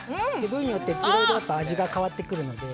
部位によっていろいろ味が変わってくるので。